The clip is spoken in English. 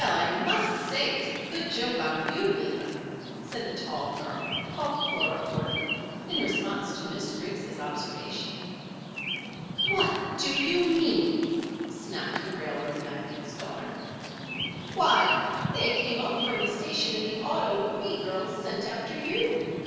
I must say it's a good joke on you, Linda," said the tall girl, called Cora Courtney, in response to Miss Riggs' observation. "What do you mean?" snapped the railroad magnate's daughter. "Why, they came up from the station in the auto we girls sent after you.